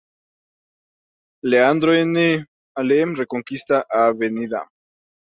Leandro N. Alem, Reconquista, Av.